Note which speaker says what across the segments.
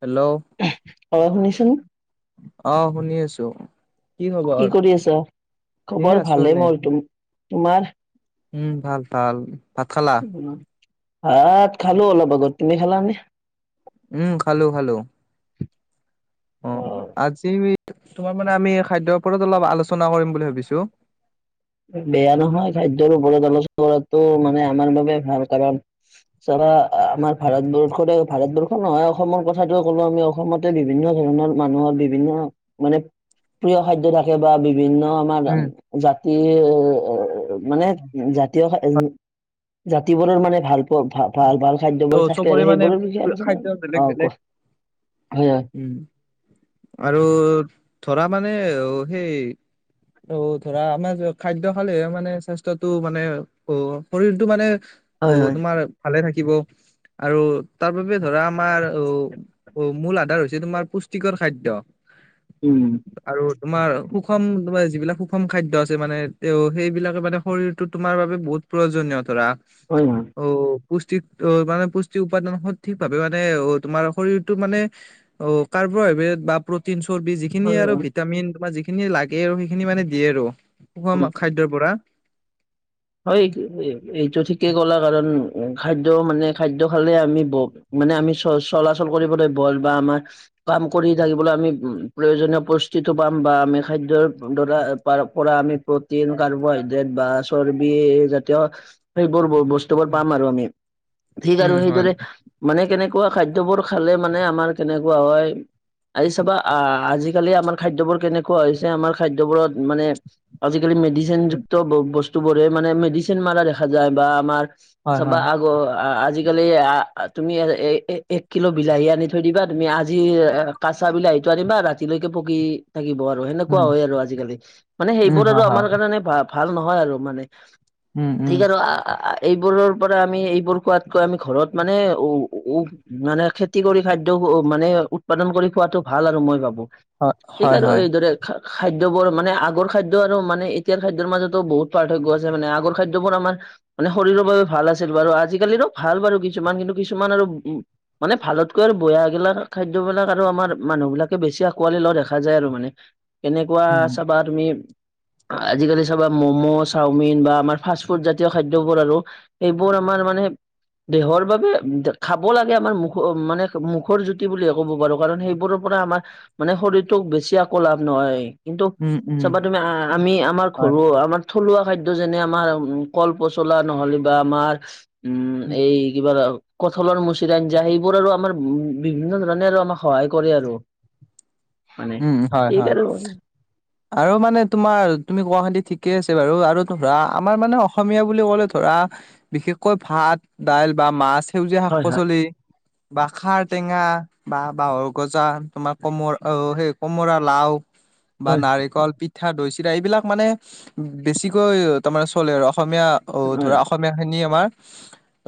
Speaker 1: Hello
Speaker 2: অ শুনিছোঁ?
Speaker 1: অ' শুনি আছোঁ।
Speaker 2: কি কৰি আছা?
Speaker 1: এ
Speaker 2: খবৰ
Speaker 1: আছো
Speaker 2: ভালে
Speaker 1: এনে
Speaker 2: মোৰ। তুম, তোমাৰ?
Speaker 1: উম ভাল ভাল। ভাত খালা?
Speaker 2: ভাত খালো অলপ আগত। তুমি খালানে?
Speaker 1: উম, খালোঁ খালোঁ। অ, আজি আমি, তোমাৰ মানে আমি খাদ্যৰ ওপৰত অলপ আলোচনা কৰিম বুলি ভাবিছোঁ।
Speaker 2: বেয়া নহয়। খাদ্যৰ ওপৰত আলোচনা কৰাতো মানে আমাৰ বাবে ভাল কাৰণ চাবা আমাৰ ভাৰতবৰ্ষতে, ভাৰতবৰ্ষ নহয় অসমৰ কথাটো ক'লো আমি অসমতে বিভিন্ন ধৰণৰ মানুহৰ বিভিন্ন মানে প্ৰিয় খাদ্য থাকে বা বিভিন্ন আমাৰ,
Speaker 1: উম
Speaker 2: জাতি মানে জাতীয় খাদ্য জাতি বোৰৰ মানে ভাল ভাল, ভাল-ভাল
Speaker 1: ত
Speaker 2: খাদ্যবোৰ থাকে
Speaker 1: চবৰে
Speaker 2: আৰু
Speaker 1: মানে
Speaker 2: সেইবোৰৰ বিষয়ে আলোচনা
Speaker 1: খাদ্য
Speaker 2: কৰোঁ।
Speaker 1: বেলেগ
Speaker 2: অহ
Speaker 1: বেলেগ
Speaker 2: কোৱা
Speaker 1: উম আৰু ধৰা মানে অ সেই অ ধৰা আমাৰ খাদ্য খালেহে মানে স্বাস্থ্যতটো মানে অ, শৰীৰটো মানে অ,
Speaker 2: হয় হয়
Speaker 1: তোমাৰ ভালে থাকিব আৰু তাৰ বাবে ধৰা আমাৰ অ
Speaker 2: [unintelligible]
Speaker 1: অ, মূল আধাৰ হৈছে তোমাৰ পুষ্টিকৰ খাদ্য।
Speaker 2: উম।
Speaker 1: আৰু তোমাৰ সুষম তোমাৰ যিবিলাক সুষম খাদ্য আছে মানে তেওঁ সেইবিলাকে মানে শৰীৰটো তোমাৰ বাবে বহুত প্ৰয়োজনীয় ধৰা।
Speaker 2: হয় হয়।
Speaker 1: অ পুষ্টিক, অ মানে পুষ্টি উৎপাদন সঠিক ভাৱে মানে অ তোমাৰ শৰীৰটো মানে অ, কাৰ্বহাইড্ৰেট বা প্ৰটিন চৰ্বি যি যিখিনি
Speaker 2: হয়
Speaker 1: আৰু
Speaker 2: হয়
Speaker 1: ভিটামিন তোমাৰ যিখিনি লাগে আৰু সেইখিনি মানে দিয়ে আৰু সুষম
Speaker 2: উম
Speaker 1: খাদ্যৰ পৰা।
Speaker 2: হয় এই, এইটো ঠিকেই ক'লা কাৰণ খাদ্য মানে খাদ্য খালে আমি ব মানে আমি চ-চলাচল কৰিবলৈ বল বা আমাৰ কাম কৰি থাকিবলৈ আমি প্ৰয়োজনীয় পুষ্টি টো পাম বা আমি খাদ্যৰ ধৰা পাৰ, পৰা আমি প্ৰটিন কাৰ্বোহাইড্ৰেট বা চৰ্বি জাতীয় সেইবোৰ বস্তুবোৰ পাম আৰু আমি। ঠিক আৰু
Speaker 1: উম হয়
Speaker 2: সেইদৰে মানে কেনেকুৱা খাদ্যবোৰ খালে মানে আমাৰ কেনেকুৱা হয়। আজি চাবা আহ আজিকালি আমাৰ খাদ্যবোৰ কেনেকুৱা হৈছে আমাৰ খাদ্যবোৰত মানে আজিকালি
Speaker 1: উম
Speaker 2: মেডিচিনযুক্ত বস্তু বোৰে মানে মেডিচিন মাৰা দেখা যায় বা আমাৰ
Speaker 1: হয়
Speaker 2: চবা
Speaker 1: হয়
Speaker 2: আগৰ আজি আজিকালি তুমি এক কিলো বিলাহী আনি থৈ দিবা তুমি আজি কাচা বিলাহীটো আনিবা ৰাতিলৈকে পকি থাকিব আৰু সেনেকুৱা
Speaker 1: উম
Speaker 2: হয় আৰু আজিকালি মানে
Speaker 1: উম
Speaker 2: সেইবোৰ আৰু
Speaker 1: হয় হয়
Speaker 2: আমাৰ কাৰণে ভা ভাল নহয় আৰু মানে।
Speaker 1: উম
Speaker 2: ঠিক
Speaker 1: উম
Speaker 2: আৰু আহ এইবোৰৰ পৰা আমি এইবোৰ খোৱাতকৈ আমি ঘৰত মানে উ উ মানে খেতি কৰি খাদ্য মানে উৎপাদন কৰি খোৱাটো ভাল আৰু মই ভাবোঁ।
Speaker 1: হয়
Speaker 2: ঠিক
Speaker 1: হয়
Speaker 2: আৰু
Speaker 1: হয়
Speaker 2: এইদৰে খা খাদ্যবোৰ মানে আগৰ খাদ্য আৰু মানে এতিয়াৰ খাদ্যৰ মাজতো বহুত টো পাৰ্থক্য আছে মানে আগৰ খাদ্যবোৰ আমাৰ মানে শৰীৰৰ বাবে ভাল আছিল বাৰু আজিকালিৰো ভাল বাৰু কিছুমান কিন্তু কিছুমান আৰু মানে ভালতকৈ আৰু বেয়া গিলাক খাদ্যবিলাক আৰু আমাৰ মানুহ বিলাকে বেছি আঁকোৱালি লোৱা দেখা যায় আৰু মানে। কেনেকুৱা
Speaker 1: উম
Speaker 2: চাবা তুমি আজিকালি চাবা ম'ম', চাওমিন বা আমাৰ ফাষ্ট ফুড জাতীয় খাদ্যবোৰ আৰু সেইবোৰ আমাৰ মানে দেহৰ বাবে খাব লাগে আমাৰ মুখ মানে মুখৰ জুতি বুলিয়ে ক'ব পাৰো কাৰণ সেইবোৰৰ পৰা আমাৰ মানে শৰীৰটোক বেছি একো লাভ নহয় কিন্তু
Speaker 1: উম উম
Speaker 2: চাবা তুমি আমি আমাৰ
Speaker 1: হয়
Speaker 2: ঘৰো আমাৰ থলুৱা খাদ্য যেনে আমাৰ কল পচলা নহলে বা আমাৰ উম এই কিবা কঠালৰ মুচি আঞ্জা সেইবোৰ আৰু আমাৰ উম বিভিন্ন ধৰণে আৰু আমাক সহায় কৰে আৰু। মানে
Speaker 1: উম হয় হয়
Speaker 2: থিক আৰু
Speaker 1: আৰু মানে তোমাৰ তুমি গুৱাহাটী ঠিকে আছে বাৰু আৰু ধৰা আমাৰ মানে অসমীয়া বুলি ক'লে ধৰা বিশেষকৈ ভাত, দাইল বা মাছ, সেউজীয়া
Speaker 2: হয় হয়
Speaker 1: শাক-পাচলি। বা খাৰ টেঙা বা বাঁহৰ গজা, তোমাৰ কমৰ অ সেই কমৰা লাও, বা
Speaker 2: হয়
Speaker 1: নাৰিকল পিঠা, দৈ, চিৰা এইবিলাক মানে বেছিকৈ তাৰমানে চলে আৰু অসমীয়া অ
Speaker 2: হয়
Speaker 1: ধৰা অসমীয়াখিনি আমাৰ।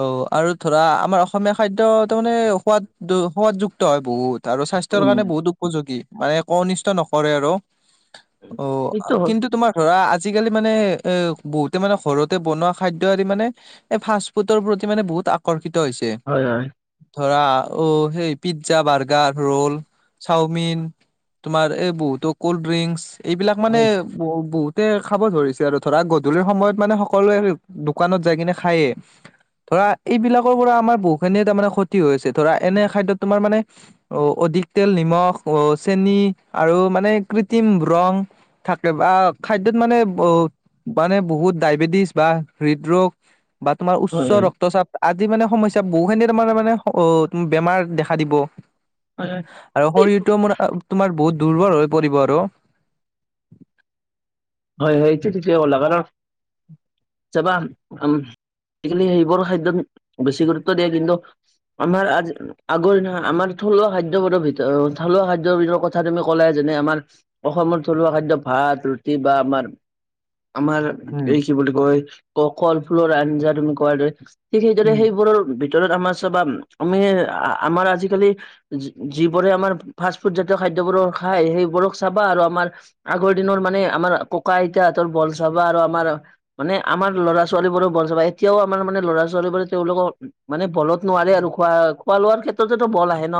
Speaker 1: অ আৰু ধৰা আমাৰ অসমীয়া খাদ্য তাৰমানে সোৱাদ সোৱাদযুক্ত হয় বহুত। আৰু স্বাস্থ্যৰ
Speaker 2: উম
Speaker 1: কাৰণে বহুত উপযোগী মানে একো অনিষ্ট নকৰে আৰু। অ
Speaker 2: এইটো হ'ল
Speaker 1: কিন্তু তোমাৰ ধৰা আজিকালি মানে এ বহুতে মানে ঘৰতে বনোৱা খাদ্য এৰি মানে এ ফাষ্ট ফুডৰ প্ৰতি মানে বহুত আকৰ্ষিত হৈছে।
Speaker 2: হয় হয়
Speaker 1: ধৰা অ সেই পিজ্জা, বাৰ্গাৰ, ৰোল, চাওমিন, তোমাৰ এবহুতো কল্ড ড্ৰিংকচ এইবিলাক মানে
Speaker 2: হয়
Speaker 1: ব বহুতে খাব ধৰিছে আৰু ধৰা গধূলিৰ সময়ত মানে সকলোৱে দোকানত যাই কিনে খায়ে ধৰা এইবিলাকৰ পৰা আমাৰ বহুখিনিয়ে তাৰ মানে ক্ষতি হৈ আছে। ধৰা এনে খাদ্য তোমাৰ মানে অ অধিক তেল নিমখ, অ চেনি আৰু মানে কৃত্ৰিম ৰং থাকে বা খাদ্যত মানে ব মানে বহুত ডায়বেটিছ বা হৃদৰোগ বা তোমাৰ
Speaker 2: হয় হয়
Speaker 1: উচ্চ ৰক্তচাপ আদি মানে সমস্যা বহুখিনি তাৰমানে অ বেমাৰ দেখা দিব।
Speaker 2: হয় হয়
Speaker 1: আৰু শৰীৰটো মানে তোমাৰ বহুত দুৰ্বল হৈ পৰিব আৰু।
Speaker 2: হয় হয় এইটো ঠিকে কলা কাৰণ চাবা উম আজিকালি সেইবোৰ খাদ্যত বেছি গুৰুত্ব দিয়ে কিন্তু আমাৰ আজ আগৰ দিনা আমাৰ থলুৱা খাদ্যবোৰৰ ভিতৰত থলুৱা খাদ্যৰ বিতৰ্কত কথা তুমি ক'লাই যেনে আমাৰ অসমত থলুৱা খাদ্য ভাত, ৰু টি বা আমাৰ আমাৰ
Speaker 1: উম
Speaker 2: এই কি বুলি কয় ক কল ফুলৰ আঞ্জা তুমি কোৱাৰ দৰে ঠিক সেইদৰে
Speaker 1: উম
Speaker 2: সেইবোৰৰ ভিতৰত আমাৰ চাবা আমি আমাৰ আজিকালি যি যিবোৰে আমাৰ ফাষ্ট ফুড জাতীয় খাদ্যবোৰ খায় সেইবোৰক চাবা আৰু আমাৰ আগৰ দিনৰ মানে আমাৰ ককা- আইতাহঁতৰ বল চাবা আৰু আমাৰ মানে আমাৰ ল'ৰা-ছোৱালীবোৰৰ বল চাবা এতিয়াও আমাৰ মানে ল'ৰা-ছোৱালীবোৰে তেওঁলোকৰ মানে বলত নোৱাৰে আৰু খোৱা খোৱা লোৱাৰ ক্ষেত্ৰতো বল আহে ন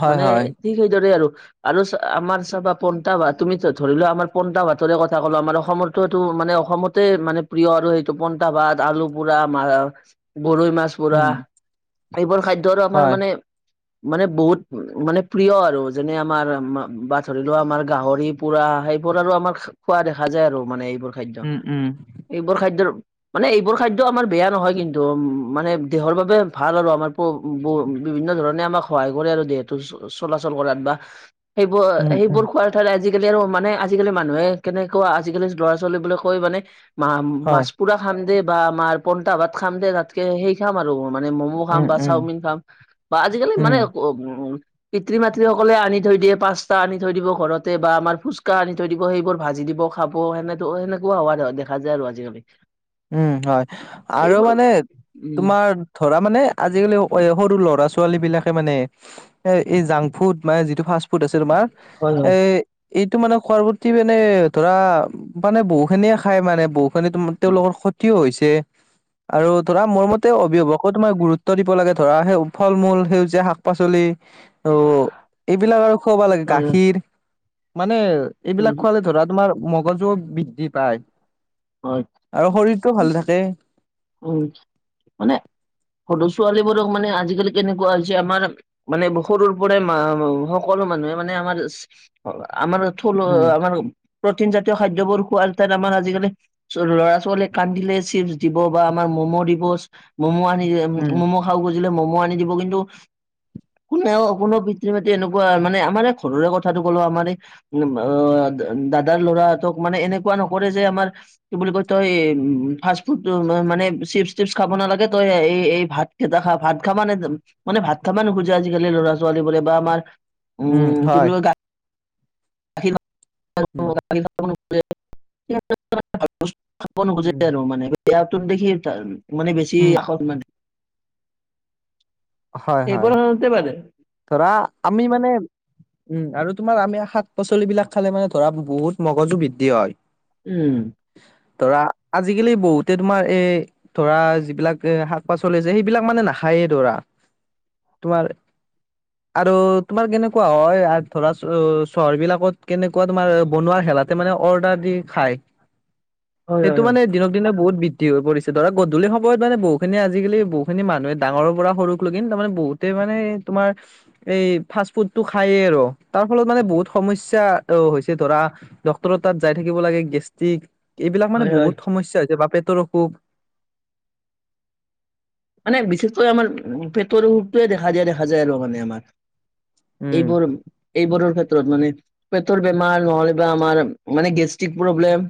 Speaker 1: হয়
Speaker 2: মানে
Speaker 1: হয়
Speaker 2: ঠিক সেইদৰে আৰু আৰু আমাৰ চাবা পন্টা বা তুমি ধৰি লোৱা আমাৰ- পণ্টা ভাতৰে কথা ক'লো আমাৰ অসমতো এইটো মানে অসমতে মানে প্ৰিয় আৰু সেইটো প- পন্তা ভাত আলু পোৰা মা গৰৈ মাছ- পুৰা,
Speaker 1: উম
Speaker 2: এইবোৰ খাদ্য আৰু আমাৰ
Speaker 1: হয়
Speaker 2: মানে- মানে বহুত মানে প্ৰিয় আৰু যেনে আমাৰ বা ধৰি লোৱা আমাৰ গাহৰি পোৰা সেই- বোৰ আৰু আমাৰ খোৱা দেখা যায় আৰু মানে এইবোৰ খাদ্য,
Speaker 1: উম উম
Speaker 2: এইবোৰ খাদ্যৰ- মানে এইবোৰ খাদ্য আমাৰ বেয়া নহয় কিন্তু উমঁ মানে দেহৰ বাবে ভাল আৰু আমাৰ- বো বোৰ বিভিন্ন ধৰণে আমাক সহায় কৰে আৰু দেহটো চ চলাচল কৰাত বা- সেইবোৰ
Speaker 1: উম উম
Speaker 2: সেইবোৰ খোৱাৰে ঠাইত আজিকালি আৰু মানে আজি - আজিকালি মানুহে কেনেকুৱা আজিকালি ল'ৰা - ছোৱালীবোলে কৈ মানে মা
Speaker 1: হয়
Speaker 2: মাছ- পুৰা খাম দে বা মাৰ পন্টা ভাত খাম দে তাত। সেই খাম আৰু মানে ম'ম'
Speaker 1: উম
Speaker 2: খাম বা
Speaker 1: উম
Speaker 2: চাওমিন খাম বা আজিকালি
Speaker 1: উম
Speaker 2: মানে উ- পিতৃ - মাতৃসকলে আনি থৈ দিয়ে পাচতা আনি থৈ দিব ঘৰতে বা আমাৰ ফুচকা আনি- থৈ দিব সেইবোৰ ভাজি দিব খাব সেনে সেনেকুৱা হোৱা দেখা যায় আৰু আজিকালি।
Speaker 1: উমঁ হঁয় আৰু
Speaker 2: এইবোৰ
Speaker 1: মানে
Speaker 2: উম
Speaker 1: তোমাৰ- ধৰা মানে আজিকালি সৰু ল'ৰা - ছোৱালী বিলাকে মানে- এ এই জাংক ফুড মানে যিটো ফাষ্ট ফুড আছে তোমাৰ
Speaker 2: হয়
Speaker 1: এ- এইটো মানে খোৱাৰ ফূৰ্তী মানে ধৰা মানে বহু খিনিয়ে খাই মানে বহু খিনিতো- তেওঁলোকৰ ক্ষতিও হৈছে। আৰু ধৰা মোৰ মতে অভিভাৱক তো মই গুৰুত্ব দিব লাগে, ধৰা সেই ফল মূল সেউজীয়া শাক পাচলি- তো, এইবিলাক আৰু খুৱাবা লাগে
Speaker 2: হয়
Speaker 1: গাখীৰ মানে এইবিলাক
Speaker 2: হয়
Speaker 1: খোৱালে ধৰা তোমাৰ- মগজু বৃদ্ধি পায়।
Speaker 2: হয়
Speaker 1: আৰু শৰীৰটো ভাল থাকে।
Speaker 2: উমঁ মানে সৰু ছোৱালীবোৰক মানে আজিকালি কেনেকুৱা হৈছে আমাৰ- মানে সৰুৰ পৰাই মা সকলো মানুহে মানে আমাৰ আমাৰ- থল
Speaker 1: উম
Speaker 2: আমাৰ প্ৰটিন জাতীয় খাদ্যবোৰ খোৱা তাত আমাৰ আজিকালি- ল'ৰা - ছোৱালীয়ে কান্দিলে চিপছ দিব বা আমাৰ ম'ম' দিব ম'ম' আনি
Speaker 1: উম
Speaker 2: মম'- খাওঁ খুজিলে ম'ম আনি দিব কিন্তু- কোনেও কোনেও পিতৃ - মাতৃ এনেকুৱা মানে আমাৰে ঘৰৰে কথাটো ক'লো আমাৰ- ইম অ দা দাদাৰ ল'ৰাহতক মানে এনেকুৱা নকৰে যে আমাৰ- কি বুলি কয় তই উমঁ ফাষ্ট ফুড মানে চিপচ টিপছ খাব নালাগে তই এই এই ভাত- এতিয়া খা ভাত খাবা নে মানে ভাত খাবা নোখোজে আজিকালি ল'ৰা - ছোৱালীবোৰে বা আমাৰ-
Speaker 1: উম
Speaker 2: উমঁ কি
Speaker 1: হয়
Speaker 2: বুলি গা -
Speaker 1: উম,
Speaker 2: [unintelligible]
Speaker 1: উম,
Speaker 2: সেয়া তোক দেখি ত মানে বেছি
Speaker 1: উম,
Speaker 2: আষত মানে-
Speaker 1: হয়, হয়।
Speaker 2: এইবোৰ আৰু তে পাৰে।
Speaker 1: ধৰা আমি মানে- উমঁ আৰু তোমাৰ আমি শাক - পাচলিবিলাক খালে মানে ধৰা বহুত মগজু বৃদ্ধি হয়।
Speaker 2: উমঁ।
Speaker 1: ধৰা, আজিকালি বহুতে তোমাৰ এই- ধৰা যিবিলাক শাক - পাচলি আছে সেইবিলাক মানে নাখায়ে ধৰা, তোমাৰ- আৰু তোমাৰ কেনেকুৱা হয়ঁ ধৰা চ চহৰবিলাকত কেনেকুৱা তোমাৰ বনোৱা খেলা- তে মানে অৰ্ডাৰ দি খায়,
Speaker 2: হয়
Speaker 1: সেইটো
Speaker 2: হয়
Speaker 1: মানে- দিনক দিনে বহুত বৃদ্ধি হৈ পৰিছে, ধৰা গধূলি সময়ত মানে বহুখিনি আজিকালি বহুখিনি মানুহে ডাঙৰ পৰা সৰু- কুলো কিন্তু মানে বহুতেই মানে তোমাৰ- এই ফাষ্ট ফুডটো খাইয়ে আৰু তাৰ ফলত মানে বহুত সমস্যা আহ হৈছে ধৰা ডক্তৰ তাত যায় থাকিব লাগে গেষ্ট্ৰিক এইবিলাক মানে
Speaker 2: হয় হয় হয়
Speaker 1: বহুত সমস্যা হৈছে বা পেটৰ অসুখ
Speaker 2: মানে বিশেষকৈ আমাৰ পেটৰ ৰোগটোৱে দেখা দিয়া দেখা যায় আৰু মানে আমাৰ।
Speaker 1: উম,
Speaker 2: এইবোৰ এইবোৰৰ ক্ষেত্ৰত মানে পেটৰ বেমাৰ নহলে বা আমাৰ মানে গেষ্ট্ৰিক প্ৰব্লেম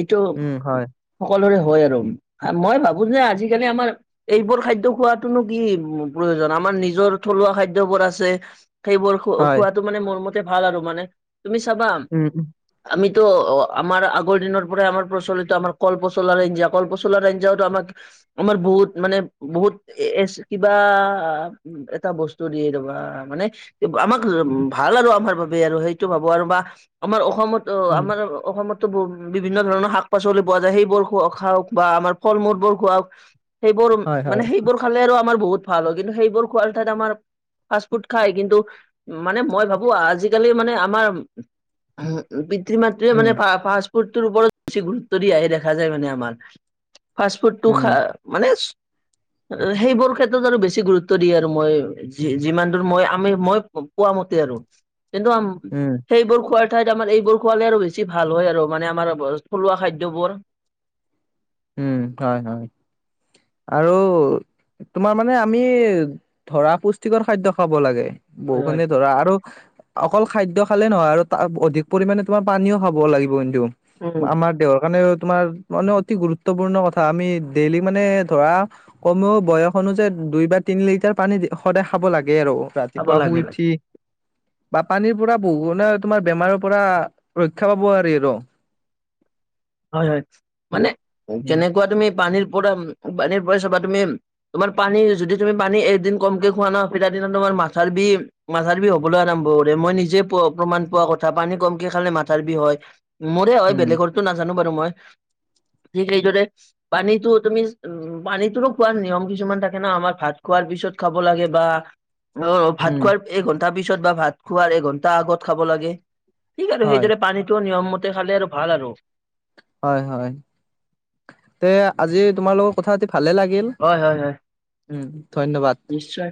Speaker 2: এইটো
Speaker 1: উম, হয়,
Speaker 2: সকলোৰে হয় আৰু, মই ভাবো যে আজিকালি আমাৰ এইবোৰ খাদ্য খোৱাতোনো কি প্ৰয়োজন আমাৰ নিজৰ থলুৱা খাদ্যবোৰ আছে সেইবোৰ খো
Speaker 1: হয়,
Speaker 2: খোৱাটো মানে মোৰ মতে ভাল আৰু মানে তুমি চাবা
Speaker 1: উম উম।
Speaker 2: আমিতো আমাৰ আগৰ দিনৰ পৰা আমাৰ প্ৰচলিত আমাৰ কল পচলাৰে কলপচলা আঞ্জাতো আমাক আমাৰ বহুত মানে বহুত এচ কিবা এটা বস্তু দিয়ে ৰবা মানে আমাক উম ভাল আৰু আমাৰ বাবে আৰু সেইটো ভাবো আৰু বা আমাৰ অসমত তো
Speaker 1: উম,
Speaker 2: আমাৰ অসমত বস্তবোৰ বিভিন্ন ধৰণৰ শাক পাচলি পোৱা যায় সেইবোৰ খোৱাওক বা আমাৰ ফল মূল বোৰ খোৱাওক সেইবোৰ
Speaker 1: হয়, হয়,
Speaker 2: মানে সেইবোৰ খালে আৰু আমাৰ বহুত ভাল হয়, কিন্তু সেইবোৰ খোৱাৰ ঠাইত আমাৰ ফাষ্ট ফুড খায় কিন্তু মানে মই ভাবো আজিকালি মানে আমাৰ উম পিতৃ মাতৃয়ে
Speaker 1: উম,
Speaker 2: মানে ফা ফাষ্ট ফুডতোৰ ওপৰত বেছি গুৰুত্ব দিয়াহে দেখা যায় মানে আমাৰ, ফাষ্ট ফুডটো
Speaker 1: উম,
Speaker 2: খা মানে সেইবোৰ ক্ষেত্ৰত আৰু বেছি গুৰুত্ব দিয়ে আৰু মই যি যিমাতো মই আমি মই পোৱা মতে আৰু কিন্তু আম
Speaker 1: উম,
Speaker 2: সেইবোৰ খোৱাৰ ঠাইত আমাৰ এইবোৰ খোৱালে আৰু বেছি ভাল হয় আৰু মানে আমাৰ থলুৱা খাদ্যবোৰ।
Speaker 1: উম হয় হয়। আৰু তোমাৰ মানে আমি ধৰা পুষ্টিকৰ খাদ্য খাব লাগে।
Speaker 2: হয় হয়
Speaker 1: বহুখিনি ধৰা আৰু অকল খাদ্য খালে নহয় আৰু তাত অধিক পৰিমাণে তোমাৰ পানীও খাব লাগিব কিন্তু।
Speaker 2: উম
Speaker 1: আমাৰ দেহৰ কাৰণে তোমাৰ মানে অতি গুৰুত্ গুৰুত্বপূৰ্ণ কথা আমি ডেইলি মানে ধৰা কমেও বয়স অনুযায়ী দুই বা তিনি লিটাৰ পানী সদায় খাব লাগে আৰু। ৰাতি
Speaker 2: খাব
Speaker 1: পুৱা
Speaker 2: লাগে
Speaker 1: শুই উঠি বা পানীৰ পৰা বহু না তোমাৰ বেমাৰৰ পৰা ৰক্ষা পাব পাৰি আৰু।
Speaker 2: হয় হয় মানে
Speaker 1: উম,
Speaker 2: কেনেকুৱা তুমি পানীৰ পৰা পানীৰ পৰাই চবা তুমি তোমাৰ পানী যদি তুমি পানী এদিন কমকে খোৱা ন তেতিয়া দিনত তোমাৰ মাথাৰ বিষ মাথাৰ বিষ হ'বলৈ আৰম্ভ কৰে, মই নিজে প্ৰ প্ৰমাণ পোৱা কথা পানী কমকে খালে মাথাৰ বিষ হয়। মোৰে হয়
Speaker 1: উম,
Speaker 2: বেলেগতো নাজানো বাৰু মই, ঠিক সেইদৰে পানীতো তুমি উম পানীটোৰো খোৱাৰ নিয়ম কিছুমান থাকে ন আমাৰ ভাত খোৱাৰ পিছত খাব লাগে বা অহ ভাত
Speaker 1: উম,
Speaker 2: খোৱাৰ এঘণ্টাৰ পিছত বা ভাত খোৱাৰ এঘন্টা আগত খাব লাগে। ঠিক আৰু
Speaker 1: হয়,
Speaker 2: সেইদৰে পানীটো নিয়ম মতে খালে আৰু ভাল আৰু।
Speaker 1: হয় হয়। সেয়া আজি তোমালোকৰ কথা পাতি ভালে লাগিল,
Speaker 2: হয়, হয়, হয়,
Speaker 1: উম ধন্যবাদ।
Speaker 2: নিশ্চয়।